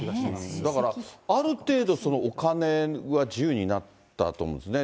だからある程度、そのお金が自由になったと思うんですね。